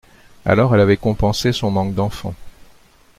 Alors elle avait compensé son manque d’enfant